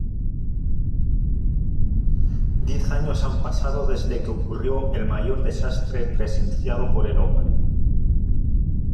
Diez años han pasado desde que ocurrió el mayor desastre presenciado por el hombre.